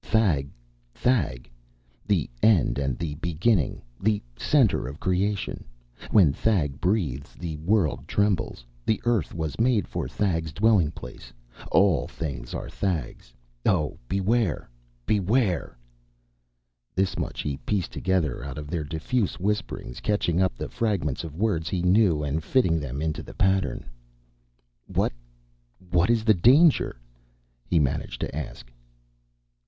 "Thag Thag, the end and the beginning, the center of creation. When Thag breathes the world trembles. The earth was made for Thag's dwelling place. All things are Thag's. Oh, beware! Beware!" This much he pieced together out of their diffuse whisperings, catching up the fragments of words he knew and fitting them into the pattern. "What what is the danger?" he managed to ask.